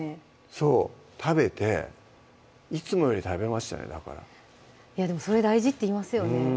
そう食べていつもより食べましたねだからでもそれ大事って言いますよね